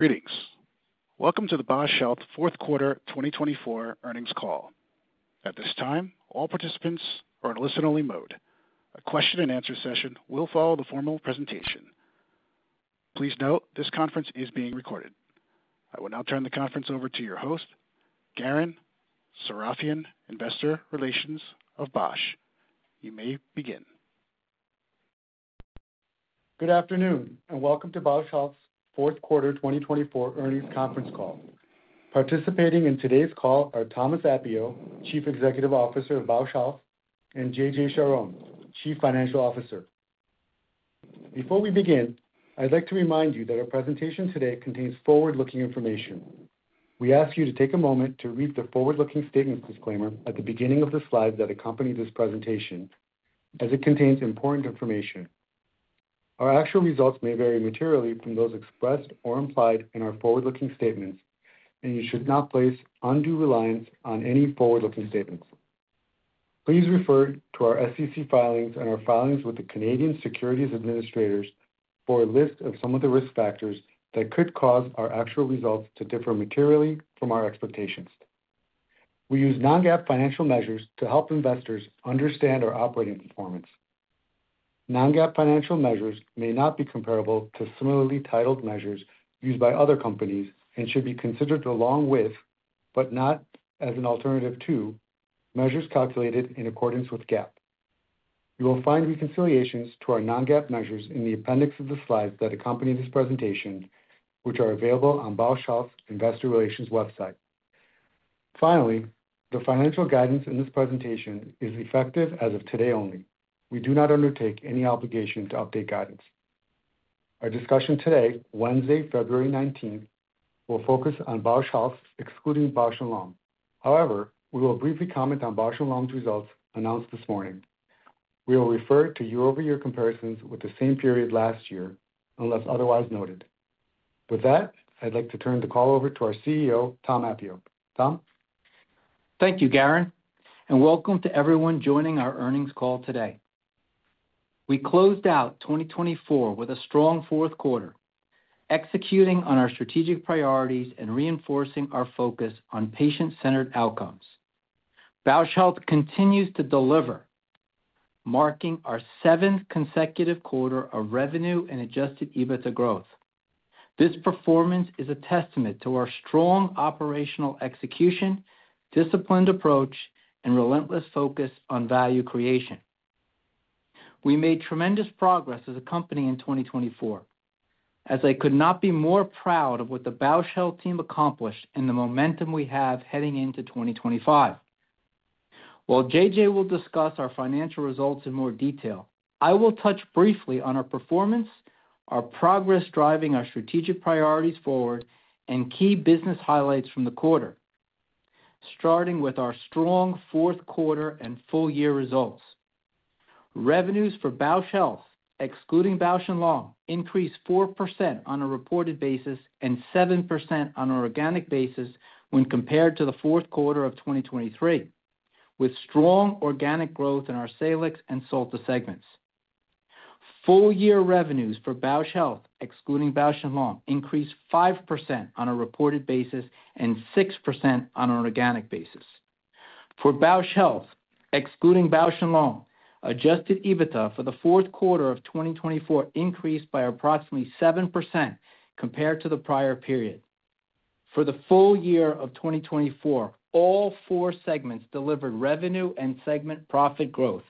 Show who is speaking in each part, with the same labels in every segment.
Speaker 1: Greetings. Welcome to the Bausch Health Fourth Quarter 2024 Earnings Call. At this time, all participants are in listen-only mode. A question-and-answer session will follow the formal presentation. Please note this conference is being recorded. I will now turn the conference over to your host, Garen Sarafian, Investor Relations of Bausch Health. You may begin.
Speaker 2: Good afternoon, and welcome to Bausch Health's fourth quarter 2024 earnings conference call. Participating in today's call are Thomas Appio, Chief Executive Officer of Bausch Health, and JJ Charhon, Chief Financial Officer. Before we begin, I'd like to remind you that our presentation today contains forward-looking information. We ask you to take a moment to read the forward-looking statements disclaimer at the beginning of the slides that accompany this presentation, as it contains important information.
Speaker 3: Our actual results may vary materially from those expressed or implied in our forward-looking statements, and you should not place undue reliance on any forward-looking statements. Please refer to our SEC filings and our filings with the Canadian Securities Administrators for a list of some of the risk factors that could cause our actual results to differ materially from our expectations. We use non-GAAP financial measures to help investors understand our operating performance.
Speaker 2: Non-GAAP financial measures may not be comparable to similarly titled measures used by other companies and should be considered along with, but not as an alternative to, measures calculated in accordance with GAAP. You will find reconciliations to our non-GAAP measures in the appendix of the slides that accompany this presentation, which are available on Bausch Health's Investor Relations website. Finally, the financial guidance in this presentation is effective as of today only. We do not undertake any obligation to update guidance. Our discussion today, Wednesday, February 19th, will focus on Bausch Health excluding Bausch + Lomb. However, we will briefly comment on Bausch + Lomb's results announced this morning. We will refer to year-over-year comparisons with the same period last year, unless otherwise noted. With that, I'd like to turn the call over to our CEO, Tom Appio. Tom?
Speaker 3: Thank you, Garen, and welcome to everyone joining our earnings call today. We closed out 2024 with a strong fourth quarter, executing on our strategic priorities and reinforcing our focus on patient-centered outcomes. Bausch Health continues to deliver, marking our seventh consecutive quarter of revenue and Adjusted EBITDA growth. This performance is a testament to our strong operational execution, disciplined approach, and relentless focus on value creation. We made tremendous progress as a company in 2024, as I could not be more proud of what the Bausch Health team accomplished and the momentum we have heading into 2025. While JJ will discuss our financial results in more detail, I will touch briefly on our performance, our progress driving our strategic priorities forward, and key business highlights from the quarter, starting with our strong fourth quarter and full-year results. Revenues for Bausch Health, excluding Bausch + Lomb, increased 4% on a reported basis and 7% on an organic basis when compared to the fourth quarter of 2023, with strong organic growth in our Salix and Solta segments. Full-year revenues for Bausch Health, excluding Bausch + Lomb, increased 5% on a reported basis and 6% on an organic basis. For Bausch Health, excluding Bausch + Lomb, Adjusted EBITDA for the fourth quarter of 2024 increased by approximately 7% compared to the prior period. For the full year of 2024, all four segments delivered revenue and segment profit growth,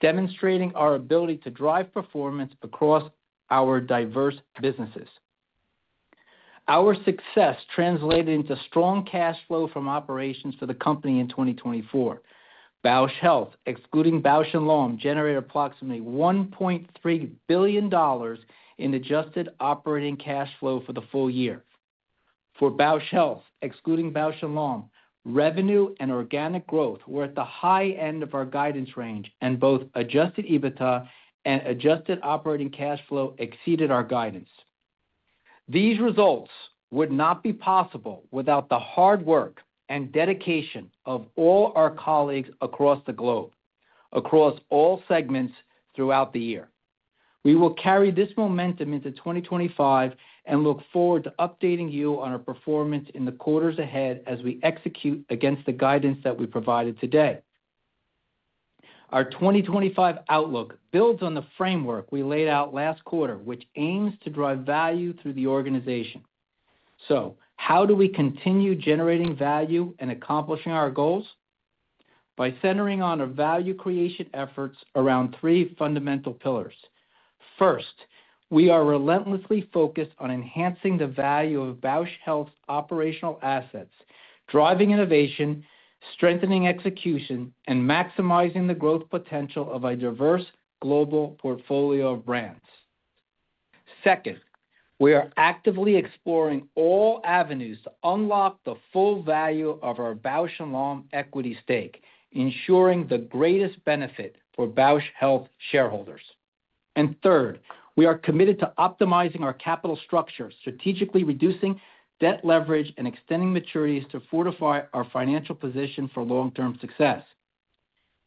Speaker 3: demonstrating our ability to drive performance across our diverse businesses. Our success translated into strong cash flow from operations for the company in 2024. Bausch Health, excluding Bausch + Lomb, generated approximately $1.3 billion in adjusted operating cash flow for the full year. For Bausch Health, excluding Bausch + Lomb, revenue and organic growth were at the high end of our guidance range, and both Adjusted EBITDA and Adjusted operating cash flow exceeded our guidance. These results would not be possible without the hard work and dedication of all our colleagues across the globe, across all segments throughout the year. We will carry this momentum into 2025 and look forward to updating you on our performance in the quarters ahead as we execute against the guidance that we provided today. Our 2025 outlook builds on the framework we laid out last quarter, which aims to drive value through the organization. So, how do we continue generating value and accomplishing our goals? By centering on our value creation efforts around three fundamental pillars. First, we are relentlessly focused on enhancing the value of Bausch Health's operational assets, driving innovation, strengthening execution, and maximizing the growth potential of a diverse global portfolio of brands. Second, we are actively exploring all avenues to unlock the full value of our Bausch + Lomb equity stake, ensuring the greatest benefit for Bausch Health shareholders. And third, we are committed to optimizing our capital structure, strategically reducing debt leverage, and extending maturities to fortify our financial position for long-term success.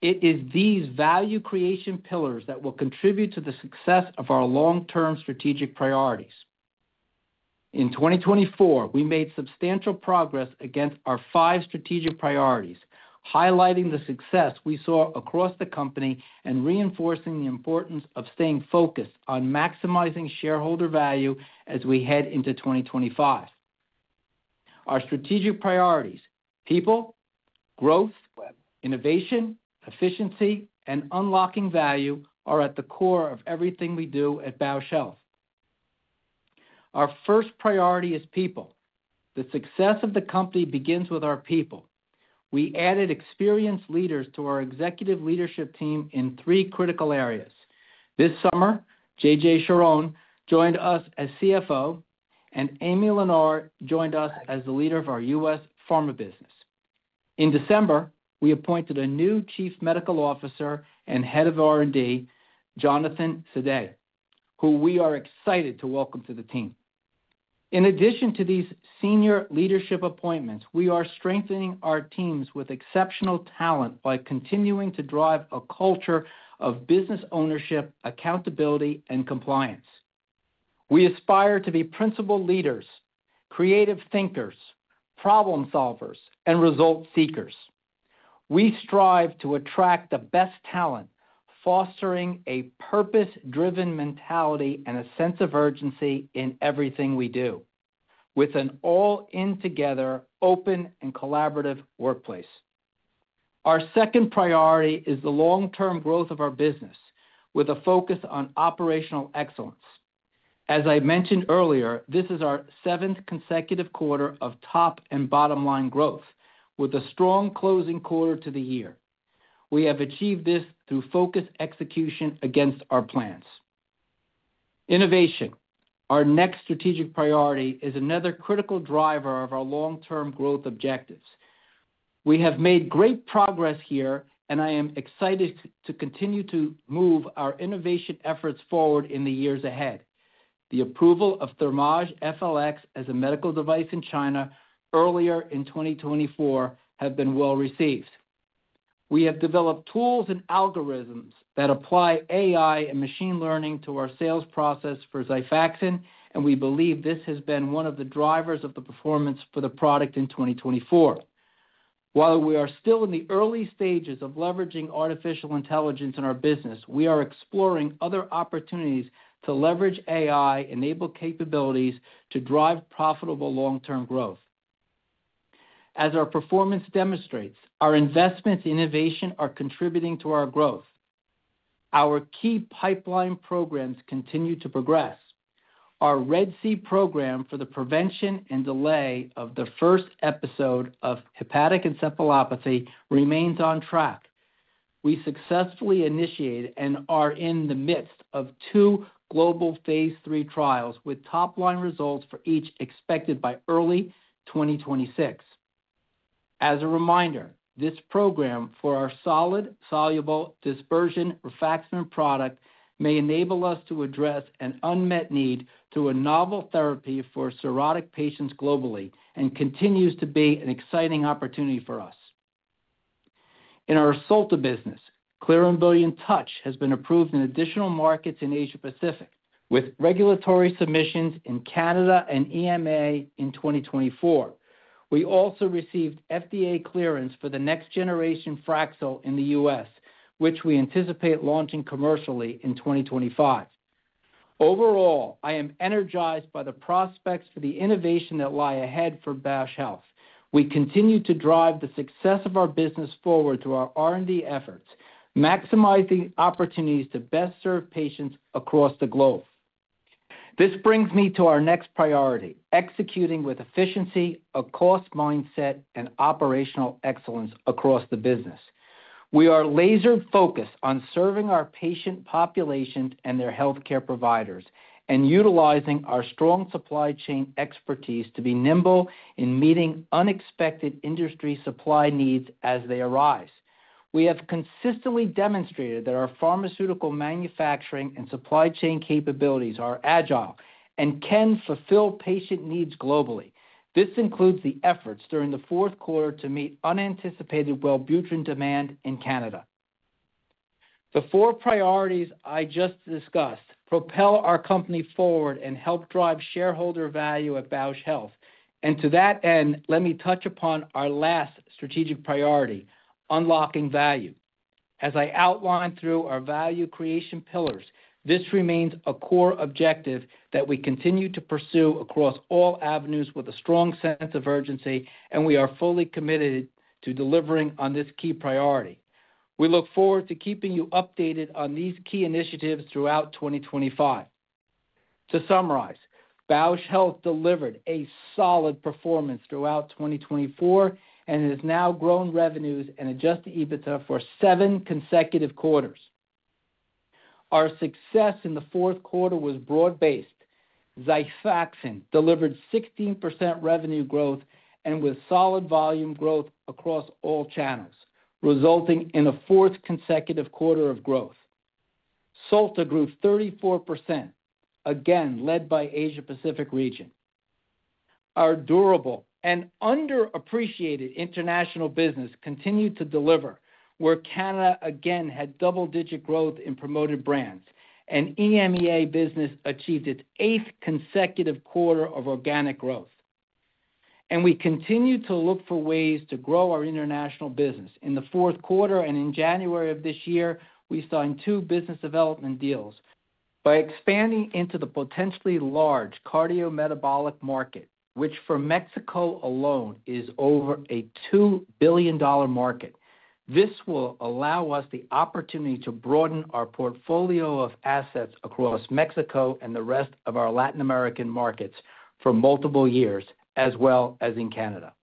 Speaker 3: It is these value creation pillars that will contribute to the success of our long-term strategic priorities. In 2024, we made substantial progress against our five strategic priorities, highlighting the success we saw across the company and reinforcing the importance of staying focused on maximizing shareholder value as we head into 2025. Our strategic priorities: people, growth, innovation, efficiency, and unlocking value are at the core of everything we do at Bausch Health. Our first priority is people. The success of the company begins with our people. We added experienced leaders to our executive leadership team in three critical areas. This summer, JJ Charhon joined us as CFO, and Aimee Lenar joined us as the leader of our U.S. Pharma business. In December, we appointed a new Chief Medical Officer and Head of R&D, Jonathan Sadeh, who we are excited to welcome to the team. In addition to these senior leadership appointments, we are strengthening our teams with exceptional talent by continuing to drive a culture of business ownership, accountability, and compliance. We aspire to be principal leaders, creative thinkers, problem solvers, and result seekers. We strive to attract the best talent, fostering a purpose-driven mentality and a sense of urgency in everything we do, with an all-in-together, open and collaborative workplace. Our second priority is the long-term growth of our business, with a focus on operational excellence. As I mentioned earlier, this is our seventh consecutive quarter of top and bottom-line growth, with a strong closing quarter to the year. We have achieved this through focused execution against our plans. Innovation, our next strategic priority, is another critical driver of our long-term growth objectives. We have made great progress here, and I am excited to continue to move our innovation efforts forward in the years ahead. The approval of Thermage FLX as a medical device in China earlier in 2024 has been well received. We have developed tools and algorithms that apply AI and machine learning to our sales process for Xifaxan, and we believe this has been one of the drivers of the performance for the product in 2024. While we are still in the early stages of leveraging artificial intelligence in our business, we are exploring other opportunities to leverage AI-enabled capabilities to drive profitable long-term growth. As our performance demonstrates, our investments in innovation are contributing to our growth. Our key pipeline programs continue to progress. Our RED-C program for the prevention and delay of the first episode of hepatic encephalopathy remains on track. We successfully initiated and are in the midst of two global Phase III trials with top-line results for each expected by early 2026. As a reminder, this program for our soluble solid dispersion rifaximin product may enable us to address an unmet need through a novel therapy for cirrhotic patients globally and continues to be an exciting opportunity for us. In our Solta business, Clear + Brilliant Touch has been approved in additional markets in Asia-Pacific, with regulatory submissions in Canada and EMA in 2024. We also received FDA clearance for the next-generation Fraxel in the U.S., which we anticipate launching commercially in 2025. Overall, I am energized by the prospects for the innovation that lie ahead for Bausch Health. We continue to drive the success of our business forward through our R&D efforts, maximizing opportunities to best serve patients across the globe. This brings me to our next priority: executing with efficiency, a cost mindset, and operational excellence across the business. We are laser-focused on serving our patient populations and their healthcare providers and utilizing our strong supply chain expertise to be nimble in meeting unexpected industry supply needs as they arise. We have consistently demonstrated that our pharmaceutical manufacturing and supply chain capabilities are agile and can fulfill patient needs globally. This includes the efforts during the fourth quarter to meet unanticipated Wellbutrin demand in Canada. The four priorities I just discussed propel our company forward and help drive shareholder value at Bausch Health, and to that end, let me touch upon our last strategic priority: unlocking value. As I outlined through our value creation pillars, this remains a core objective that we continue to pursue across all avenues with a strong sense of urgency, and we are fully committed to delivering on this key priority. We look forward to keeping you updated on these key initiatives throughout 2025. To summarize, Bausch Health delivered a solid performance throughout 2024 and has now grown revenues and Adjusted EBITDA for seven consecutive quarters. Our success in the fourth quarter was broad-based. Xifaxan delivered 16% revenue growth and with solid volume growth across all channels, resulting in a fourth consecutive quarter of growth. Solta grew 34%, again led by Asia-Pacific region. Our durable and underappreciated international business continued to deliver, where Canada again had double-digit growth in promoted brands, and EMEA business achieved its eighth consecutive quarter of organic growth. And we continue to look for ways to grow our international business. In the fourth quarter and in January of this year, we signed two business development deals by expanding into the potentially large cardiometabolic market, which for Mexico alone is over a $2 billion market. This will allow us the opportunity to broaden our portfolio of assets across Mexico and the rest of our Latin American markets for multiple years, as well as in Canada.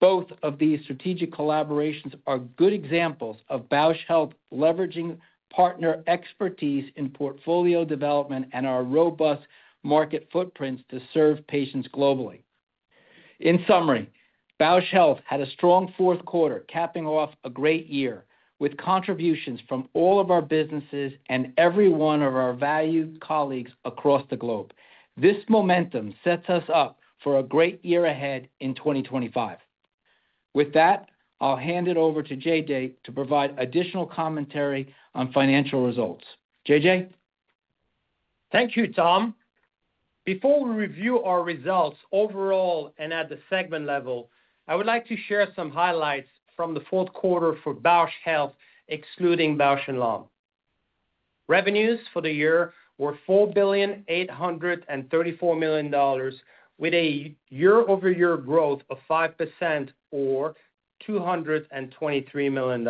Speaker 3: Both of these strategic collaborations are good examples of Bausch Health leveraging partner expertise in portfolio development and our robust market footprints to serve patients globally. In summary, Bausch Health had a strong fourth quarter, capping off a great year with contributions from all of our businesses and every one of our valued colleagues across the globe. This momentum sets us up for a great year ahead in 2025. With that, I'll hand it over to JJ to provide additional commentary on financial results. JJ
Speaker 4: Thank you, Tom. Before we review our results overall and at the segment level, I would like to share some highlights from the fourth quarter for Bausch Health, excluding Bausch + Lomb. Revenues for the year were $4,834 million, with a year-over-year growth of 5% or $223 million.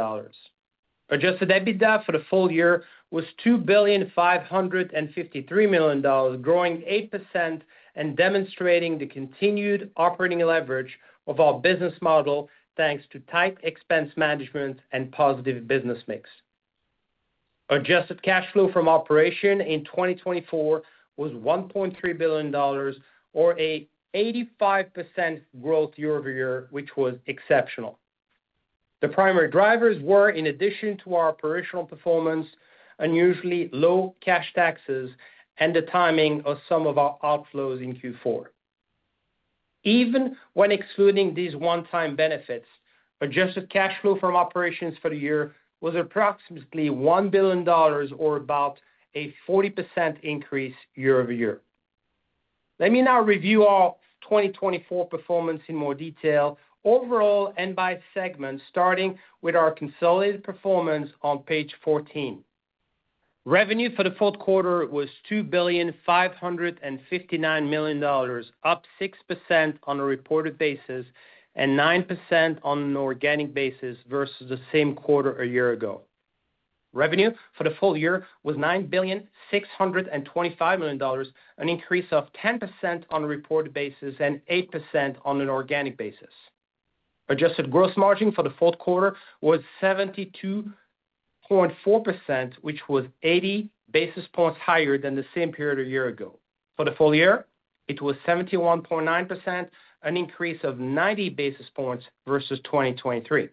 Speaker 4: Adjusted EBITDA for the full year was $2,553 million, growing 8% and demonstrating the continued operating leverage of our business model thanks to tight expense management and positive business mix. Adjusted cash flow from operations in 2024 was $1.3 billion, or an 85% growth year-over-year, which was exceptional. The primary drivers were, in addition to our operational performance, unusually low cash taxes and the timing of some of our outflows in Q4. Even when excluding these one-time benefits, adjusted cash flow from operations for the year was approximately $1 billion, or about a 40% increase year-over-year. Let me now review our 2024 performance in more detail overall and by segment, starting with our consolidated performance on page 14. Revenue for the fourth quarter was $2,559 million, up 6% on a reported basis and 9% on an organic basis versus the same quarter a year ago. Revenue for the full year was $9,625 million, an increase of 10% on a reported basis and 8% on an organic basis. Adjusted gross margin for the fourth quarter was 72.4%, which was 80 basis points higher than the same period a year ago. For the full year, it was 71.9%, an increase of 90 basis points versus 2023.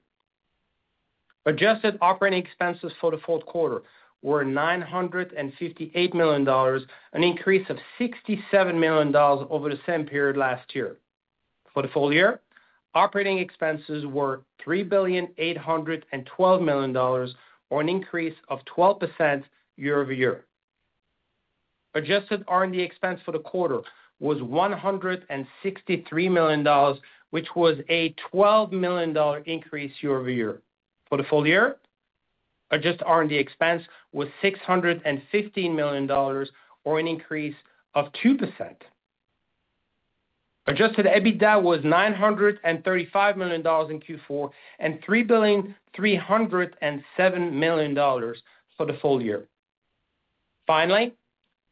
Speaker 4: Adjusted operating expenses for the fourth quarter were $958 million, an increase of $67 million over the same period last year. For the full year, operating expenses were $3,812 million, or an increase of 12% year-over-year. Adjusted R&D expense for the quarter was $163 million, which was a $12 million increase year-over-year. For the full year, adjusted R&D expense was $615 million, or an increase of 2%. Adjusted EBITDA was $935 million in Q4 and $3,307 million for the full year. Finally,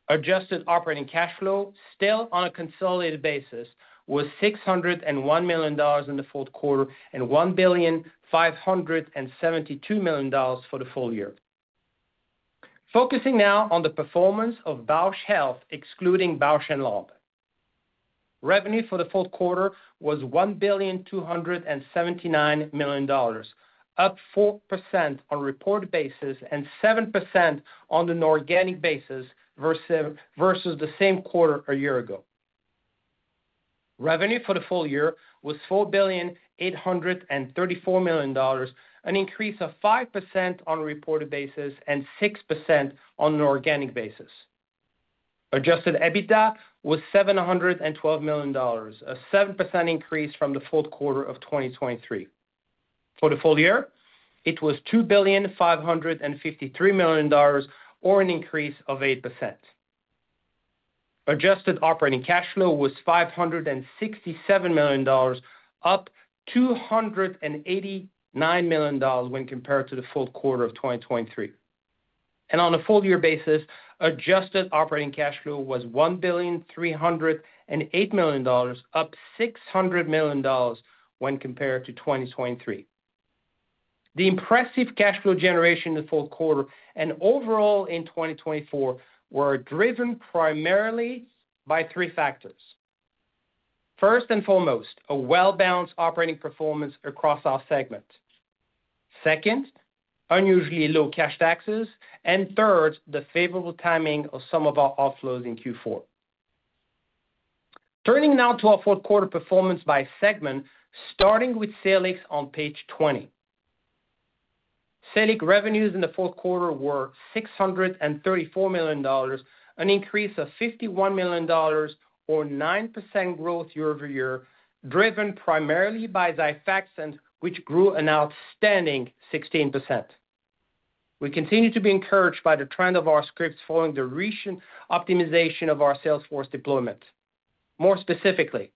Speaker 4: adjusted operating cash flow, still on a consolidated basis, was $601 million in the fourth quarter and $1,572 million for the full year. Focusing now on the performance of Bausch Health, excluding Bausch + Lomb. Revenue for the fourth quarter was $1,279 million, up 4% on a reported basis and 7% on an organic basis versus the same quarter a year ago. Revenue for the full year was $4,834 million, an increase of 5% on a reported basis and 6% on an organic basis. Adjusted EBITDA was $712 million, a 7% increase from the fourth quarter of 2023. For the full year, it was $2,553 million, or an increase of 8%. Adjusted operating cash flow was $567 million, up $289 million when compared to the fourth quarter of 2023. And on a full-year basis, adjusted operating cash flow was $1,308 million, up $600 million when compared to 2023. The impressive cash flow generation in the fourth quarter and overall in 2024 were driven primarily by three factors. First and foremost, a well-balanced operating performance across our segment. Second, unusually low cash taxes. And third, the favorable timing of some of our outflows in Q4. Turning now to our fourth-quarter performance by segment, starting with Salix on page 20. Salix revenues in the fourth quarter were $634 million, an increase of $51 million, or 9% growth year-over-year, driven primarily by Xifaxan, which grew an outstanding 16%. We continue to be encouraged by the trend of our scripts following the recent optimization of our sales force deployment. More specifically,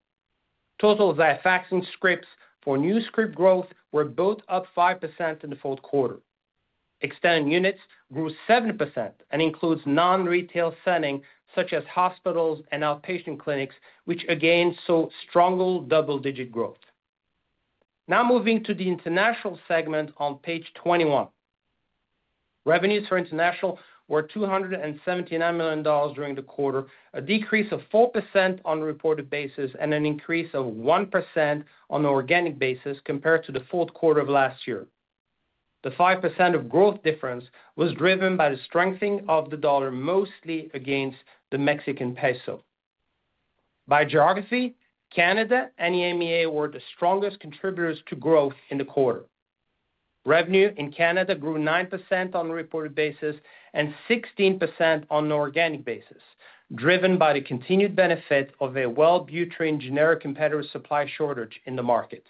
Speaker 4: total Xifaxan scripts for new script growth were both up 5% in the fourth quarter. Extended units grew 7% and include non-retail settings such as hospitals and outpatient clinics, which again saw stronger double-digit growth. Now moving to the international segment on page 21. Revenues for international were $279 million during the quarter, a decrease of 4% on a reported basis and an increase of 1% on an organic basis compared to the fourth quarter of last year. The 5% growth difference was driven by the strengthening of the dollar, mostly against the Mexican peso. By geography, Canada and EMEA were the strongest contributors to growth in the quarter. Revenue in Canada grew 9% on a reported basis and 16% on an organic basis, driven by the continued benefit of a Wellbutrin generic competitor supply shortage in the market.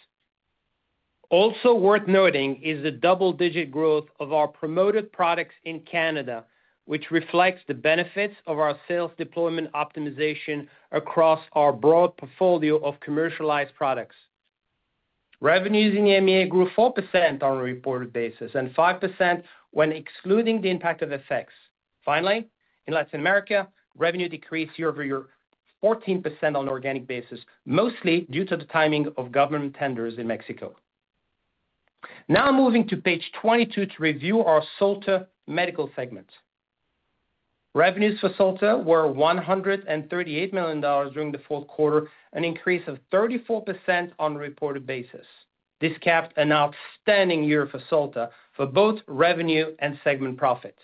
Speaker 4: Also worth noting is the double-digit growth of our promoted products in Canada, which reflects the benefits of our sales deployment optimization across our broad portfolio of commercialized products. Revenues in EMEA grew 4% on a reported basis and 5% when excluding the impact of FX. Finally, in Latin America, revenue decreased year-over-year 14% on an organic basis, mostly due to the timing of government tenders in Mexico. Now moving to page 22 to review our Solta Medical segment. Revenues for Solta were $138 million during the fourth quarter, an increase of 34% on a reported basis. This capped an outstanding year for Solta for both revenue and segment profit.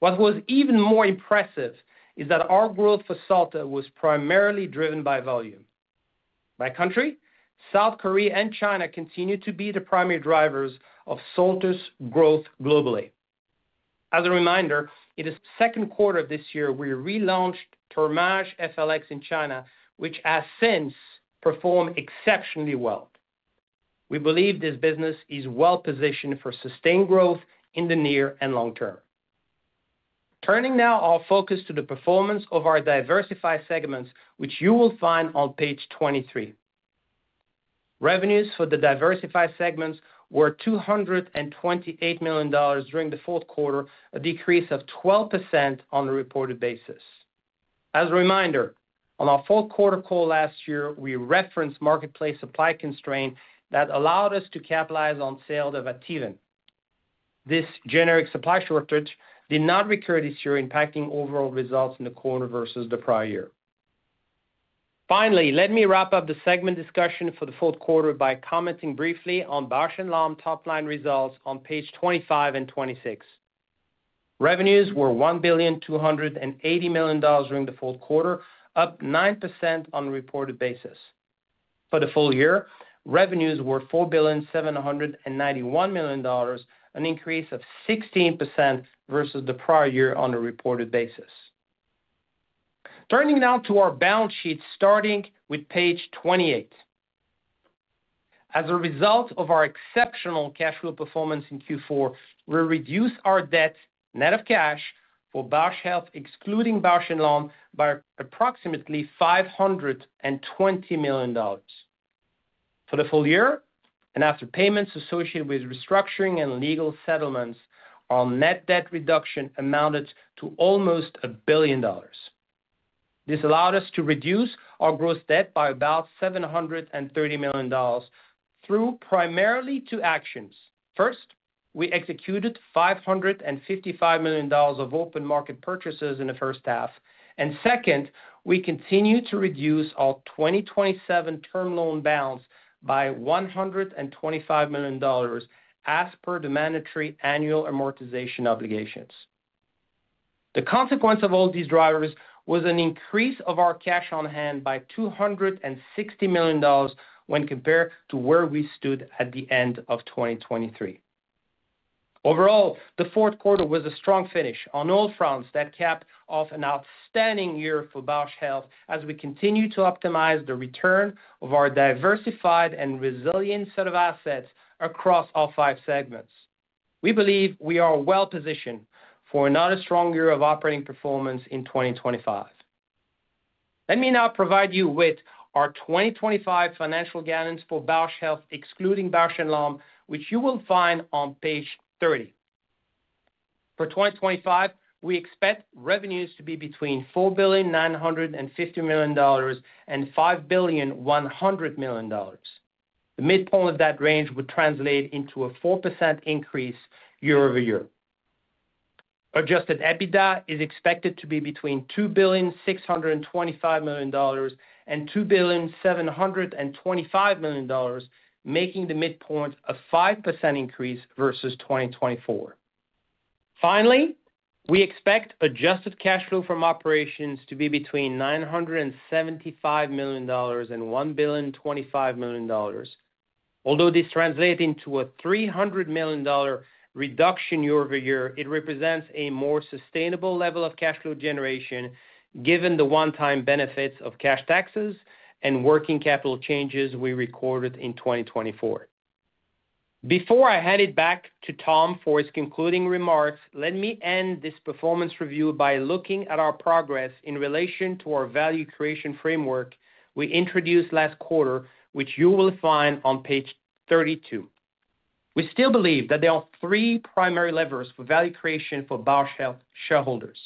Speaker 4: What was even more impressive is that our growth for Solta was primarily driven by volume. By country, South Korea and China continue to be the primary drivers of Solta's growth globally. As a reminder, in the second quarter of this year, we relaunched Thermage FLX in China, which has since performed exceptionally well. We believe this business is well positioned for sustained growth in the near and long term. Turning now our focus to the performance of our diversified segments, which you will find on page 23. Revenues for the diversified segments were $228 million during the fourth quarter, a decrease of 12% on a reported basis. As a reminder, on our fourth-quarter call last year, we referenced marketplace supply constraints that allowed us to capitalize on sales of Ativan. This generic supply shortage did not recur this year, impacting overall results in the quarter versus the prior year. Finally, let me wrap up the segment discussion for the fourth quarter by commenting briefly on Bausch + Lomb top-line results on page 25 and 26. Revenues were $1,280 million during the fourth quarter, up 9% on a reported basis. For the full year, revenues were $4,791 million, an increase of 16% versus the prior year on a reported basis. Turning now to our balance sheet, starting with page 28. As a result of our exceptional cash flow performance in Q4, we reduced our debt net of cash for Bausch Health, excluding Bausch + Lomb, by approximately $520 million. For the full year and after payments associated with restructuring and legal settlements, our net debt reduction amounted to almost $1 billion. This allowed us to reduce our gross debt by about $730 million through primarily two actions. First, we executed $555 million of open market purchases in the first half. And second, we continue to reduce our 2027 term loan balance by $125 million as per the mandatory annual amortization obligations. The consequence of all these drivers was an increase of our cash on hand by $260 million when compared to where we stood at the end of 2023. Overall, the fourth quarter was a strong finish on all fronts that capped off an outstanding year for Bausch Health as we continue to optimize the return of our diversified and resilient set of assets across our five segments. We believe we are well positioned for another strong year of operating performance in 2025. Let me now provide you with our 2025 financial guidance for Bausch Health, excluding Bausch + Lomb, which you will find on page 30. For 2025, we expect revenues to be between $4,950 million and $5,100 million. The midpoint of that range would translate into a 4% increase year-over-year. Adjusted EBITDA is expected to be between $2,625 million and $2,725 million, making the midpoint a 5% increase versus 2024. Finally, we expect adjusted cash flow from operations to be between $975 million and $1,025 million. Although this translates into a $300 million reduction year-over-year, it represents a more sustainable level of cash flow generation given the one-time benefits of cash taxes and working capital changes we recorded in 2024. Before I hand it back to Tom for his concluding remarks, let me end this performance review by looking at our progress in relation to our value creation framework we introduced last quarter, which you will find on page 32. We still believe that there are three primary levers for value creation for Bausch Health shareholders.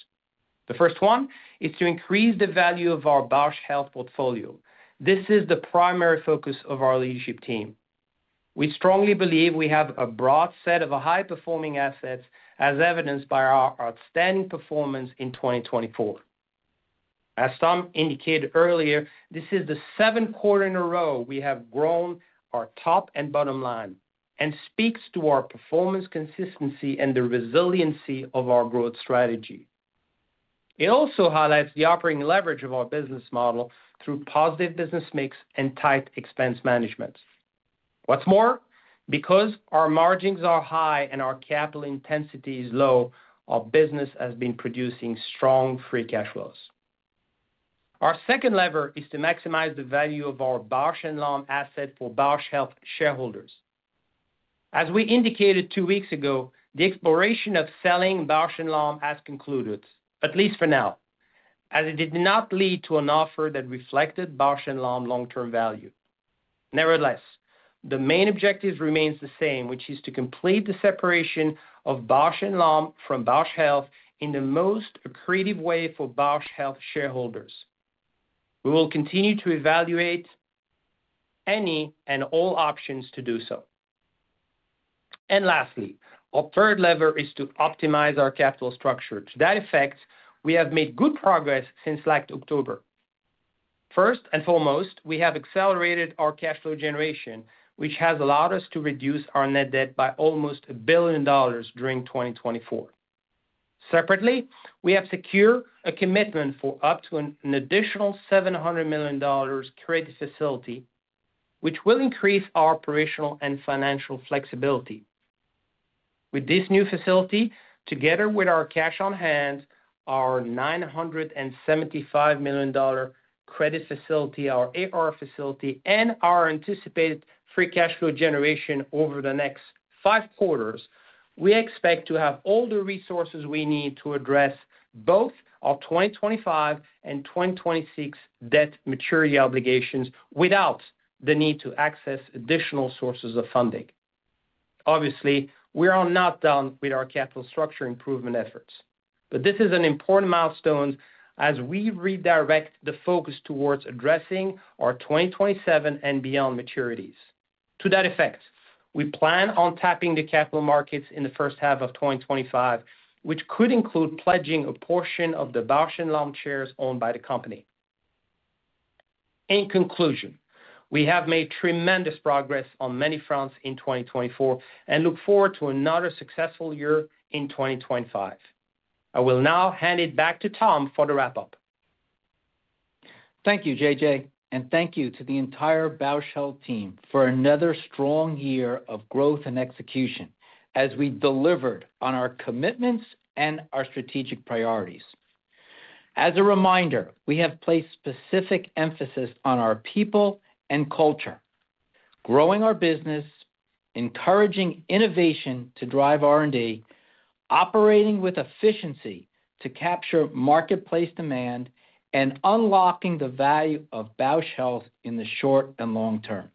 Speaker 4: The first one is to increase the value of our Bausch Health portfolio. This is the primary focus of our leadership team. We strongly believe we have a broad set of high-performing assets, as evidenced by our outstanding performance in 2024. As Tom indicated earlier, this is the seventh quarter in a row we have grown our top and bottom line and speaks to our performance consistency and the resiliency of our growth strategy. It also highlights the operating leverage of our business model through positive business mix and tight expense management. What's more, because our margins are high and our capital intensity is low, our business has been producing strong free cash flows. Our second lever is to maximize the value of our Bausch + Lomb asset for Bausch Health shareholders. As we indicated two weeks ago, the exploration of selling Bausch + Lomb has concluded, at least for now, as it did not lead to an offer that reflected Bausch + Lomb's long-term value. Nevertheless, the main objective remains the same, which is to complete the separation of Bausch + Lomb from Bausch Health in the most accretive way for Bausch Health shareholders. We will continue to evaluate any and all options to do so. And lastly, our third lever is to optimize our capital structure. To that effect, we have made good progress since late October. First and foremost, we have accelerated our cash flow generation, which has allowed us to reduce our net debt by almost $1 billion during 2024. Separately, we have secured a commitment for up to an additional $700 million credit facility, which will increase our operational and financial flexibility. With this new facility, together with our cash on hand, our $975 million credit facility, our AR facility, and our anticipated free cash flow generation over the next five quarters, we expect to have all the resources we need to address both our 2025 and 2026 debt maturity obligations without the need to access additional sources of funding. Obviously, we are not done with our capital structure improvement efforts, but this is an important milestone as we redirect the focus towards addressing our 2027 and beyond maturities. To that effect, we plan on tapping the capital markets in the first half of 2025, which could include pledging a portion of the Bausch + Lomb shares owned by the company. In conclusion, we have made tremendous progress on many fronts in 2024 and look forward to another successful year in 2025. I will now hand it back to Tom for the wrap-up.
Speaker 3: Thank you, JJ, and thank you to the entire Bausch Health team for another strong year of growth and execution as we delivered on our commitments and our strategic priorities. As a reminder, we have placed specific emphasis on our people and culture, growing our business, encouraging innovation to drive R&D, operating with efficiency to capture marketplace demand, and unlocking the value of Bausch Health in the short and long term.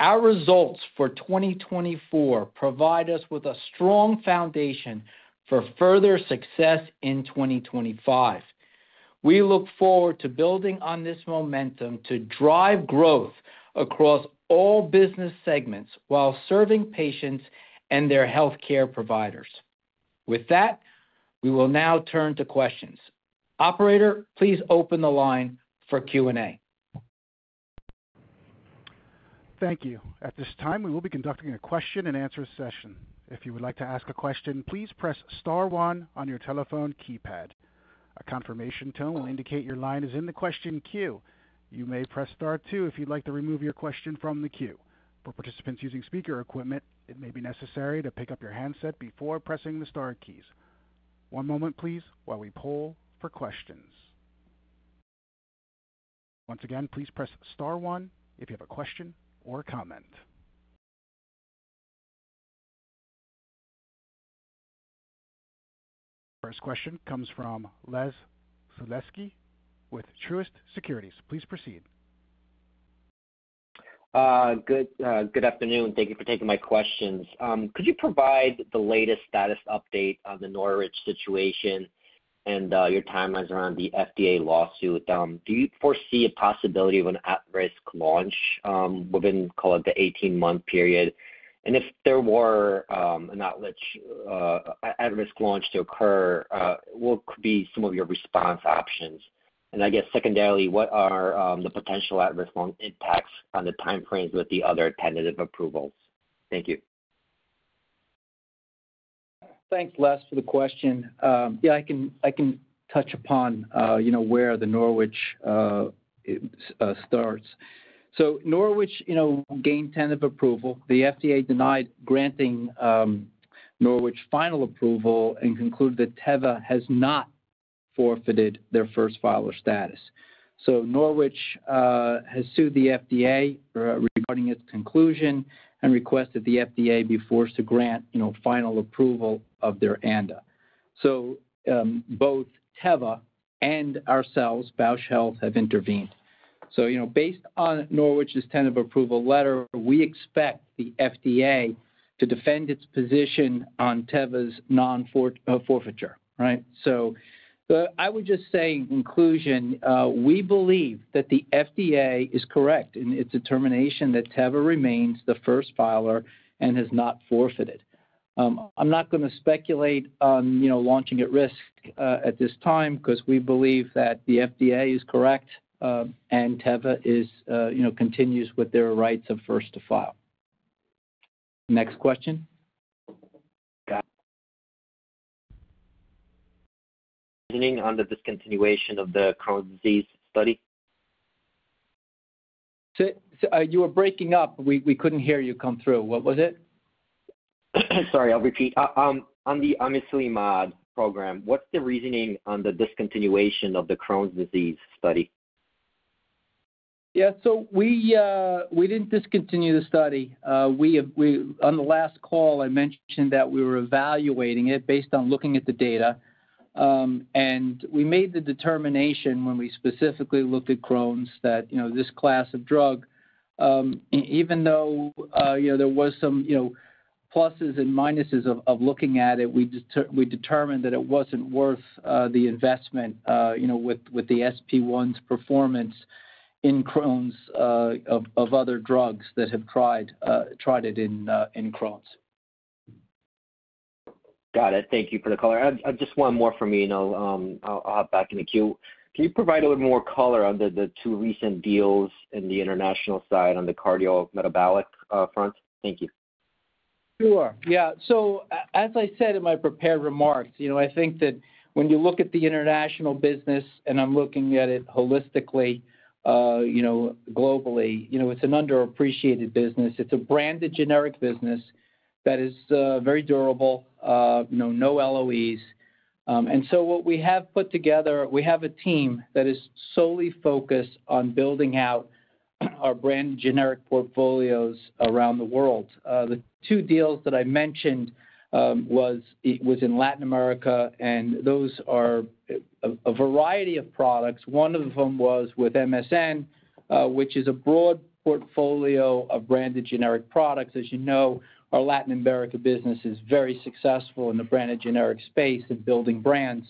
Speaker 3: Our results for 2024 provide us with a strong foundation for further success in 2025. We look forward to building on this momentum to drive growth across all business segments while serving patients and their healthcare providers. With that, we will now turn to questions. Operator, please open the line for Q&A.
Speaker 1: Thank you. At this time, we will be conducting a question-and-answer session. If you would like to ask a question, please press star one on your telephone keypad. A confirmation tone will indicate your line is in the question queue. You may press star two if you'd like to remove your question from the queue. For participants using speaker equipment, it may be necessary to pick up your handset before pressing the star keys. One moment, please, while we poll for questions. Once again, please press star one if you have a question or a comment. The first question comes from Les Sulewski with Truist Securities. Please proceed.
Speaker 5: Good afternoon. Thank you for taking my questions. Could you provide the latest status update on the Norwich situation and your timelines around the FDA lawsuit? Do you foresee a possibility of an at-risk launch within the 18-month period? If there were an at-risk launch to occur, what could be some of your response options? And I guess, secondarily, what are the potential at-risk launch impacts on the timeframes with the other tentative approvals? Thank you.
Speaker 3: Thanks, Les, for the question. Yeah, I can touch upon where the Norwich starts. Norwich gained tentative approval. The FDA denied granting Norwich final approval and concluded that Teva has not forfeited their first filer status. Norwich has sued the FDA regarding its conclusion and requested the FDA be forced to grant final approval of their ANDA. Both Teva and ourselves, Bausch Health, have intervened. Based on Norwich's tentative approval letter, we expect the FDA to defend its position on Teva's non-forfeiture. So I would just say in conclusion, we believe that the FDA is correct in its determination that Teva remains the first filer and has not forfeited. I'm not going to speculate on launching at risk at this time because we believe that the FDA is correct and Teva continues with their rights of first to file. Next question.
Speaker 5: Reasoning on the discontinuation of the Crohn's disease study?
Speaker 3: You were breaking up. We couldn't hear you come through. What was it?
Speaker 5: Sorry, I'll repeat. On the Amiselimod program, what's the reasoning on the discontinuation of the Crohn's disease study?
Speaker 3: Yeah, so we didn't discontinue the study. On the last call, I mentioned that we were evaluating it based on looking at the data. And we made the determination when we specifically looked at Crohn's that this class of drug, even though there were some pluses and minuses of looking at it, we determined that it wasn't worth the investment with the S1P's performance in Crohn's of other drugs that have tried it in Crohn's.
Speaker 5: Got it. Thank you for the color. Just one more from me, and I'll hop back in the queue. Can you provide a little more color on the two recent deals in the international side on the cardiometabolic front? Thank you.
Speaker 3: Sure. Yeah. So as I said in my prepared remarks, I think that when you look at the international business, and I'm looking at it holistically, globally, it's an underappreciated business. It's a branded generic business that is very durable, no LOEs. And so what we have put together, we have a team that is solely focused on building out our branded generic portfolios around the world. The two deals that I mentioned were in Latin America, and those are a variety of products. One of them was with MSN, which is a broad portfolio of branded generic products. As you know, our Latin America business is very successful in the branded generic space and building brands.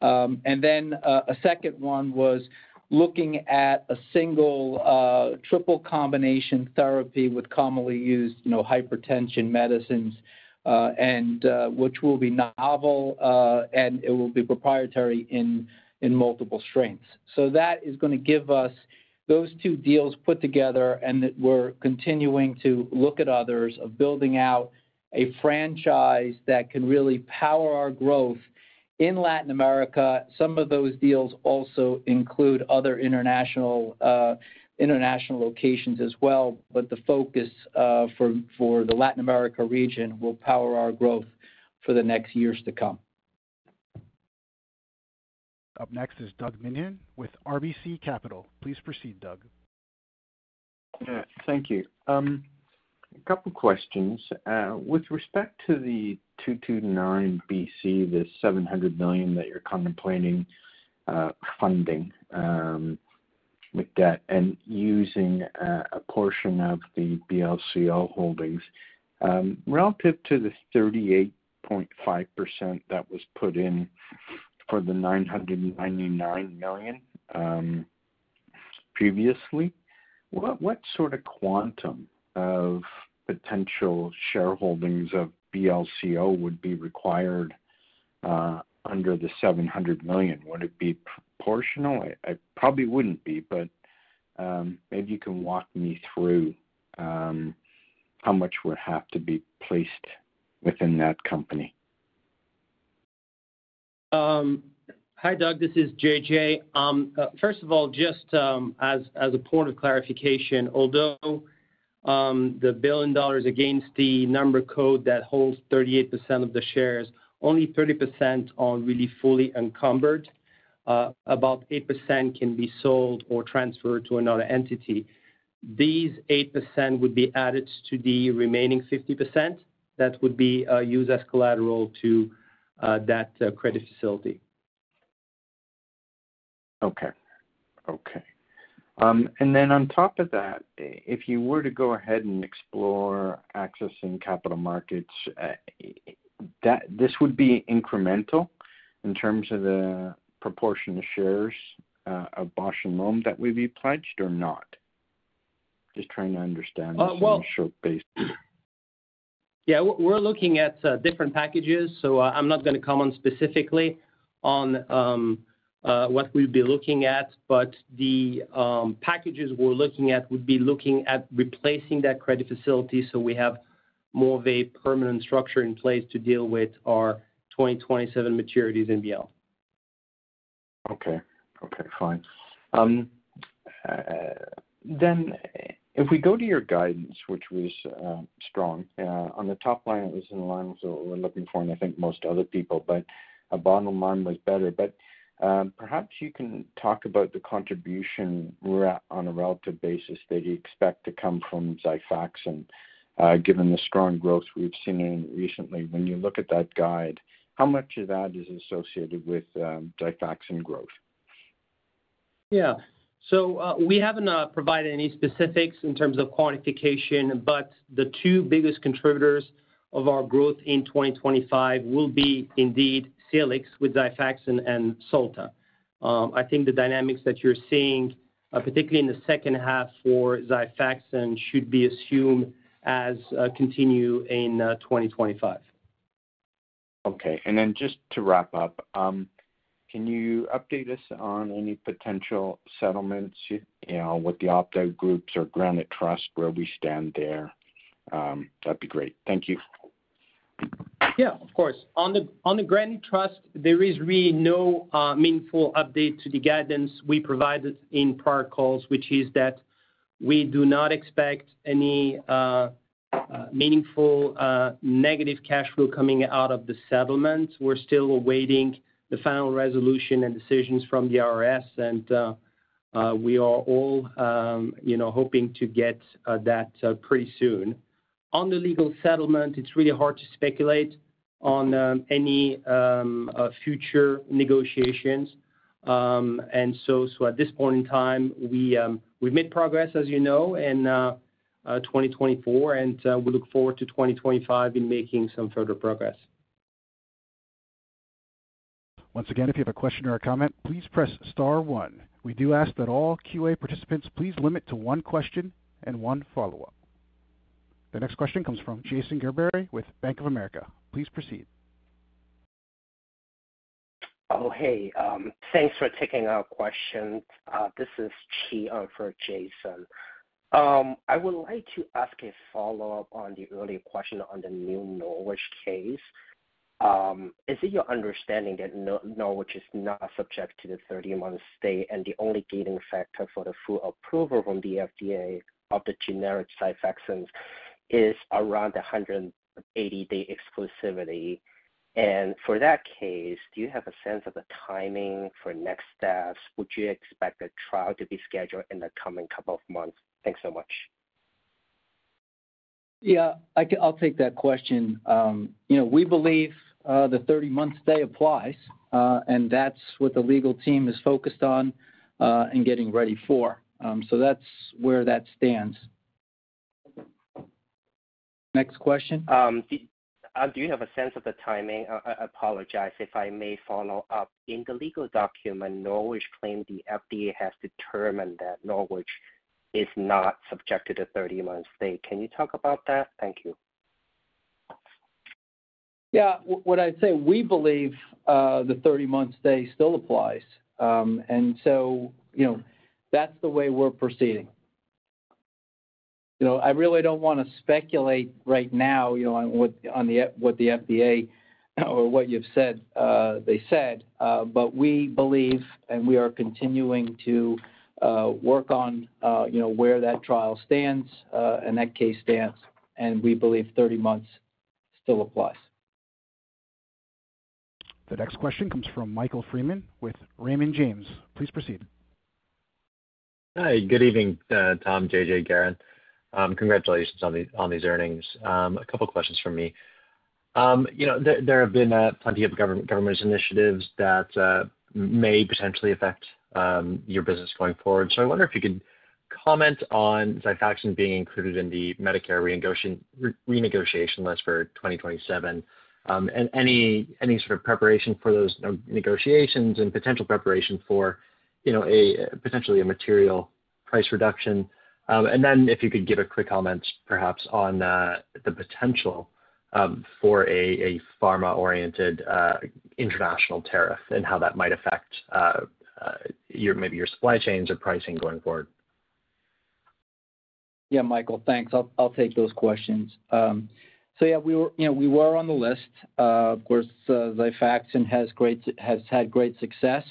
Speaker 3: And then a second one was looking at a single triple combination therapy with commonly used hypertension medicines, which will be novel and it will be proprietary in multiple strengths. So that is going to give us those two deals put together, and we're continuing to look at others of building out a franchise that can really power our growth in Latin America. Some of those deals also include other international locations as well, but the focus for the Latin America region will power our growth for the next years to come.
Speaker 1: Up next is Doug Miehm with RBC Capital Markets. Please proceed, Doug.
Speaker 6: Thank you. A couple of questions. With respect to the 229 BC, the $700 million that you're contemplating funding with debt and using a portion of the BLCO holdings, relative to the 38.5% that was put in for the $999 million previously, what sort of quantum of potential shareholdings of BLCO would be required under the $700 million? Would it be proportional? It probably wouldn't be, but maybe you can walk me through how much would have to be placed within that company.
Speaker 4: Hi, Doug. This is JJ. First of all, just as a point of clarification, although the $1 billion against the noteholder that holds 38% of the shares, only 30% are really fully encumbered. About 8% can be sold or transferred to another entity. These 8% would be added to the remaining 50% that would be used as collateral to that credit facility.
Speaker 6: Okay. Okay. And then on top of that, if you were to go ahead and explore accessing capital markets, this would be incremental in terms of the proportion of shares of Bausch + Lomb that would be pledged or not? Just trying to understand the sort of basis.
Speaker 4: Yeah, we're looking at different packages, so I'm not going to comment specifically on what we'd be looking at, but the packages we're looking at would be looking at replacing that credit facility so we have more of a permanent structure in place to deal with our 2027 maturities and beyond.
Speaker 6: Okay. Okay. Fine. Then if we go to your guidance, which was strong, on the top line, it was in line with what we're looking for, and I think most other people, but a bottom line was better. But perhaps you can talk about the contribution on a relative basis that you expect to come from Xifaxan, given the strong growth we've seen recently. When you look at that guide, how much of that is associated with Xifaxan growth?
Speaker 4: Yeah. So we haven't provided any specifics in terms of quantification, but the two biggest contributors of our growth in 2025 will be indeed Salix with Xifaxan and Solta. I think the dynamics that you're seeing, particularly in the second half for Xifaxan, should be assumed as continue in 2025.
Speaker 6: Okay. And then just to wrap up, can you update us on any potential settlements with the Opt-out groups or Granite Trust, where we stand there? That'd be great. Thank you.
Speaker 4: Yeah, of course. On the Granite Trust, there is really no meaningful update to the guidance we provided in prior calls, which is that we do not expect any meaningful negative cash flow coming out of the settlement. We're still awaiting the final resolution and decisions from the IRS, and we are all hoping to get that pretty soon. On the legal settlement, it's really hard to speculate on any future negotiations. And so at this point in time, we've made progress, as you know, in 2024, and we look forward to 2025 in making some further progress.
Speaker 1: Once again, if you have a question or a comment, please press star one. We do ask that all Q&A participants please limit to one question and one follow-up. The next question comes from Jason Gerberry with Bank of America. Please proceed. Oh, hey. Thanks for taking our questions. This is Chi for Jason. I would like to ask a follow-up on the earlier question on the new Norwich case. Is it your understanding that Norwich is not subject to the 30-month stay and the only remaining factor for the full approval from the FDA of the generic Xifaxan is around the 180-day exclusivity? For that case, do you have a sense of the timing for next steps? Would you expect a trial to be scheduled in the coming couple of months? Thanks so much.
Speaker 3: Yeah, I'll take that question. We believe the 30-month stay applies, and that's what the legal team is focused on and getting ready for. So that's where that stands. Next question. Do you have a sense of the timing? I apologize if I may follow up. In the legal document, Norwich claimed the FDA has determined that Norwich is not subject to the 30-month stay. Can you talk about that? Thank you. Yeah. What I'd say, we believe the 30-month stay still applies. And so that's the way we're proceeding. I really don't want to speculate right now on what the FDA or what you've said they said, but we believe and we are continuing to work on where that trial stands and that case stands, and we believe 30 months still applies.
Speaker 1: The next question comes from Michael Freeman with Raymond James. Please proceed.
Speaker 7: Hi. Good evening, Tom, JJ, Garen. Congratulations on these earnings. A couple of questions from me. There have been plenty of government initiatives that may potentially affect your business going forward. So I wonder if you could comment on Xifaxan being included in the Medicare renegotiation list for 2027 and any sort of preparation for those negotiations and potential preparation for potentially a material price reduction. And then if you could give a quick comment, perhaps, on the potential for a pharma-oriented international tariff and how that might affect maybe your supply chains or pricing going forward?
Speaker 3: Yeah, Michael, thanks. I'll take those questions. So yeah, we were on the list. Of course, Xifaxan has had great success,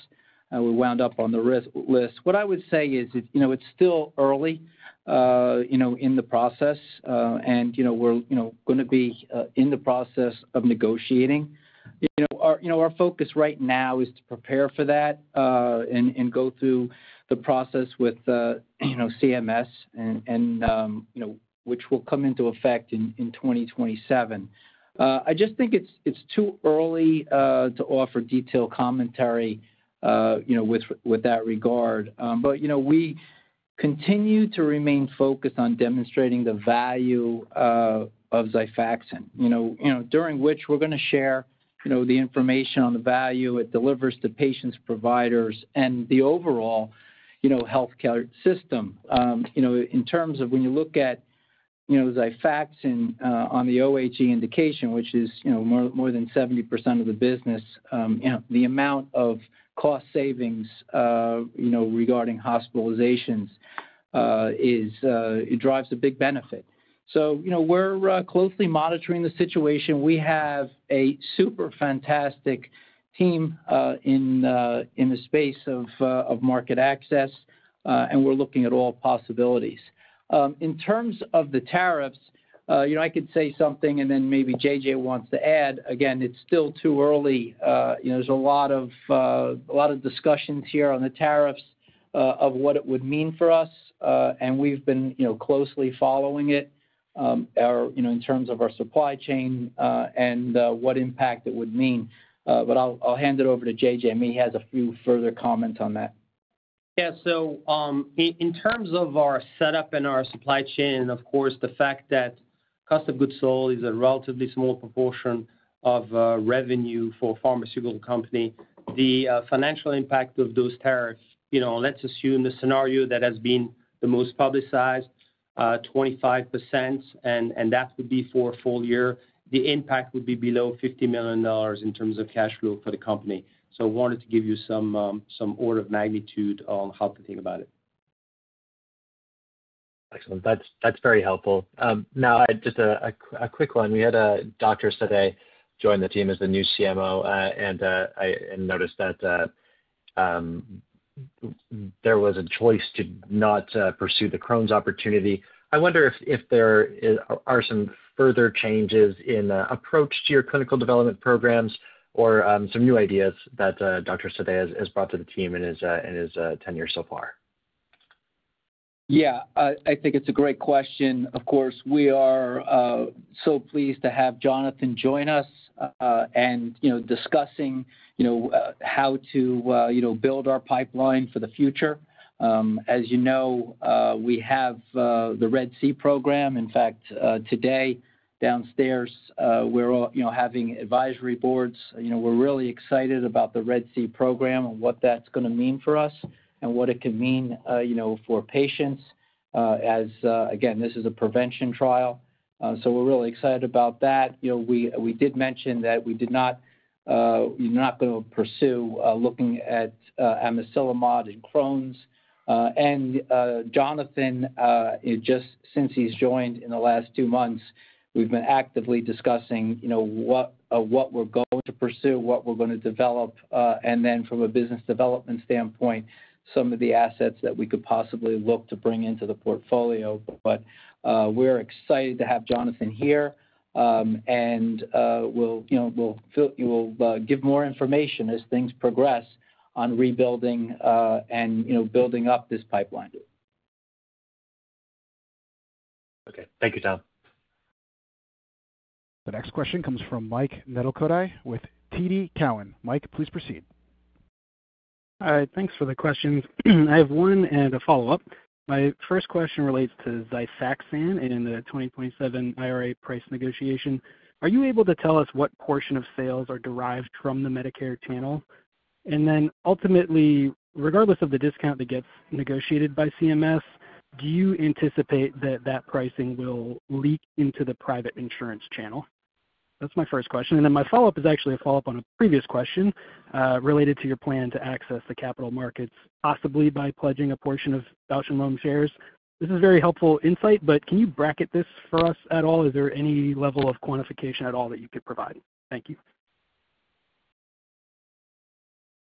Speaker 3: and we wound up on the list. What I would say is it's still early in the process, and we're going to be in the process of negotiating. Our focus right now is to prepare for that and go through the process with CMS, which will come into effect in 2027. I just think it's too early to offer detailed commentary with that regard. But we continue to remain focused on demonstrating the value of Xifaxan, during which we're going to share the information on the value it delivers to patients, providers, and the overall healthcare system. In terms of when you look at Xifaxan on the OHE indication, which is more than 70% of the business, the amount of cost savings regarding hospitalizations drives a big benefit. So we're closely monitoring the situation. We have a super fantastic team in the space of market access, and we're looking at all possibilities. In terms of the tariffs, I could say something, and then maybe JJ wants to add. Again, it's still too early. There's a lot of discussions here on the tariffs of what it would mean for us, and we've been closely following it in terms of our supply chain and what impact it would mean. But I'll hand it over to JJ, and he has a few further comments on that.
Speaker 4: Yeah. So, in terms of our setup and our supply chain, and of course the fact that cost of goods sold is a relatively small proportion of revenue for a pharmaceutical company, the financial impact of those tariffs, let's assume the scenario that has been the most publicized, 25%, and that would be for a full year, the impact would be below $50 million in terms of cash flow for the company. So I wanted to give you some order of magnitude on how to think about it.
Speaker 7: Excellent. That's very helpful. Now, just a quick one. We had a doctor today join the team as the new CMO, and I noticed that there was a choice to not pursue the Crohn's opportunity. I wonder if there are some further changes in approach to your clinical development programs or some new ideas that Dr. Sadeh has brought to the team in his tenure so far.
Speaker 3: Yeah. I think it's a great question. Of course, we are so pleased to have Jonathan join us and discussing how to build our pipeline for the future. As you know, we have the RED-C program. In fact, today downstairs, we're having advisory boards. We're really excited about the RED-C program and what that's going to mean for us and what it can mean for patients. Again, this is a prevention trial, so we're really excited about that. We did mention that we're not going to pursue looking at Amiselimod and Crohn's. And Jonathan, just since he's joined in the last two months, we've been actively discussing what we're going to pursue, what we're going to develop, and then from a business development standpoint, some of the assets that we could possibly look to bring into the portfolio. But we're excited to have Jonathan here, and we'll give more information as things progress on rebuilding and building up this pipeline.
Speaker 7: Okay. Thank you, Tom.
Speaker 1: The next question comes from Mike Nedelcovych with TD Cowen. Mike, please proceed.
Speaker 8: All right. Thanks for the questions. I have one and a follow-up. My first question relates to Xifaxan and the 2027 IRA price negotiation. Are you able to tell us what portion of sales are derived from the Medicare channel? And then ultimately, regardless of the discount that gets negotiated by CMS, do you anticipate that that pricing will leak into the private insurance channel? That's my first question. And then my follow-up is actually a follow-up on a previous question related to your plan to access the capital markets, possibly by pledging a portion of Bausch + Lomb shares. This is very helpful insight, but can you bracket this for us at all? Is there any level of quantification at all that you could provide? Thank you.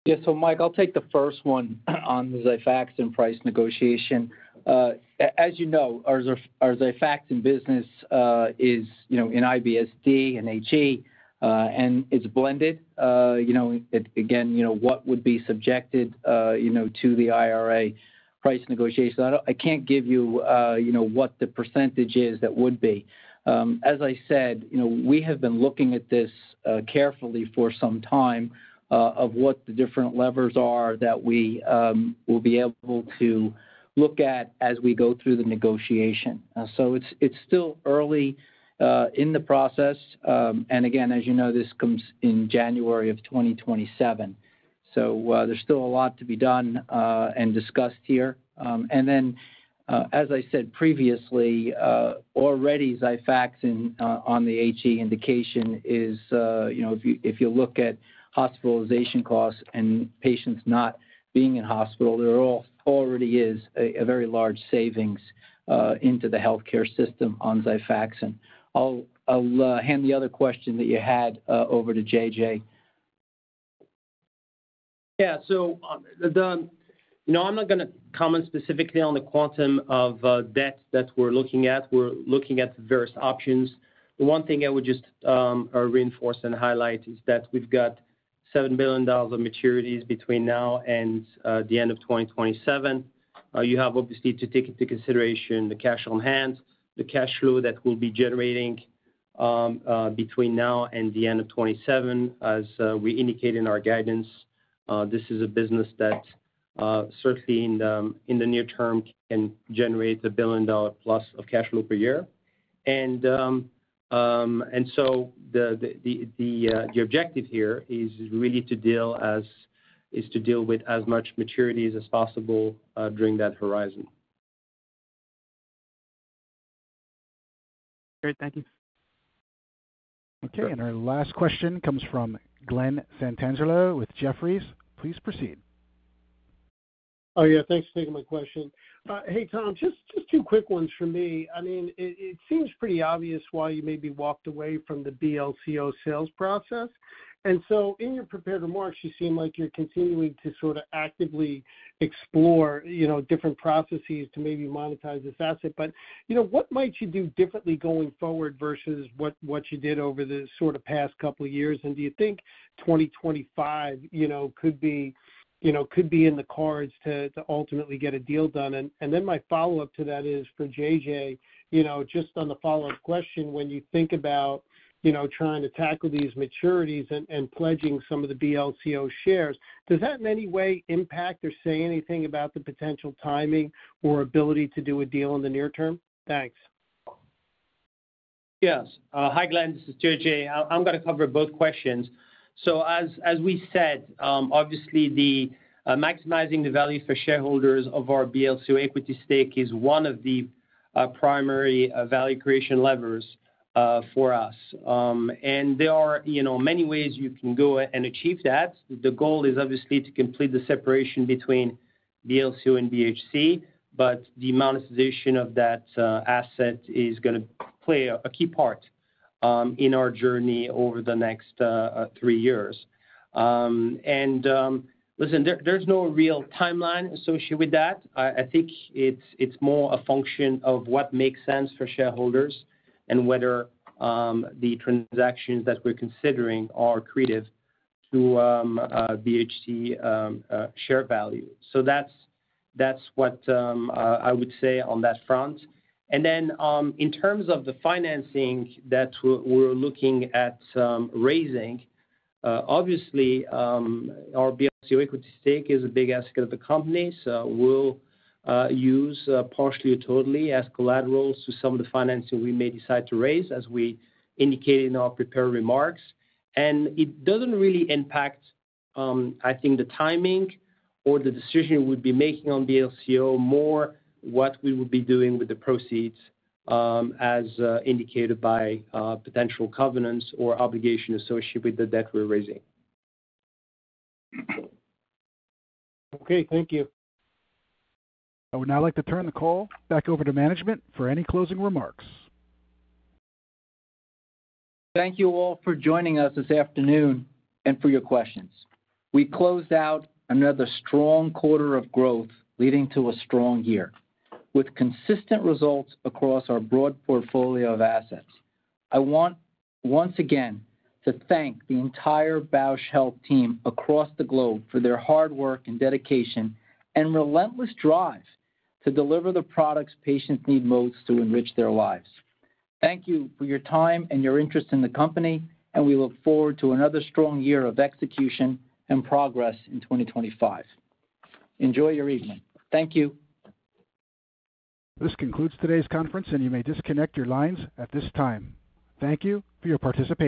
Speaker 3: Yeah. So Mike, I'll take the first one on the Xifaxan price negotiation. As you know, our Xifaxan business is in IBS-D and HE, and it's blended. Again, what would be subjected to the IRA price negotiation? I can't give you what the percentage is that would be. As I said, we have been looking at this carefully for some time of what the different levers are that we will be able to look at as we go through the negotiation. It's still early in the process. And again, as you know, this comes in January of 2027. There's still a lot to be done and discussed here. And then, as I said previously, already Xifaxan on the HE indication is, if you look at hospitalization costs and patients not being in hospital, there already is a very large savings into the healthcare system on Xifaxan. I'll hand the other question that you had over to JJ. Yeah. I'm not going to comment specifically on the quantum of debt that we're looking at. We're looking at various options. The one thing I would just reinforce and highlight is that we've got $7 billion of maturities between now and the end of 2027.
Speaker 4: You have obviously to take into consideration the cash on hand, the cash flow that we'll be generating between now and the end of 2027, as we indicate in our guidance. This is a business that certainly in the near term can generate a billion-dollar plus of cash flow per year. And so the objective here is really to deal with as much maturities as possible during that horizon.
Speaker 8: Okay. Thank you.
Speaker 1: Okay. And our last question comes from Glen Santangelo with Jefferies. Please proceed.
Speaker 9: Oh, yeah. Thanks for taking my question. Hey, Tom, just two quick ones for me. I mean, it seems pretty obvious why you maybe walked away from the BLCO sales process. And so in your prepared remarks, you seem like you're continuing to sort of actively explore different processes to maybe monetize this asset. But what might you do differently going forward versus what you did over the sort of past couple of years? And do you think 2025 could be in the cards to ultimately get a deal done? And then my follow-up to that is for JJ, just on the follow-up question, when you think about trying to tackle these maturities and pledging some of the BLCO shares, does that in any way impact or say anything about the potential timing or ability to do a deal in the near term? Thanks.
Speaker 4: Yes. Hi, Glen. This is JJ. I'm going to cover both questions. So as we said, obviously, maximizing the value for shareholders of our BLCO equity stake is one of the primary value creation levers for us. And there are many ways you can go and achieve that. The goal is obviously to complete the separation between BLCO and BHC, but the monetization of that asset is going to play a key part in our journey over the next three years. And listen, there's no real timeline associated with that. I think it's more a function of what makes sense for shareholders and whether the transactions that we're considering are accretive to BHC share value. So that's what I would say on that front. And then in terms of the financing that we're looking at raising, obviously, our BLCO equity stake is a big asset of the company. So we'll use partially or totally as collateral to some of the financing we may decide to raise, as we indicated in our prepared remarks. and it doesn't really impact, I think, the timing or the decision we'd be making on BLCO, more what we would be doing with the proceeds as indicated by potential covenants or obligations associated with the debt we're raising.
Speaker 9: Okay. Thank you.
Speaker 1: I would now like to turn the call back over to management for any closing remarks.
Speaker 3: Thank you all for joining us this afternoon and for your questions. We closed out another strong quarter of growth leading to a strong year with consistent results across our broad portfolio of assets. I want once again to thank the entire Bausch Health team across the globe for their hard work and dedication and relentless drive to deliver the products patients need most to enrich their lives. Thank you for your time and your interest in the company, and we look forward to another strong year of execution and progress in 2025. Enjoy your evening. Thank you.
Speaker 1: This concludes today's conference, and you may disconnect your lines at this time. Thank you for your participation.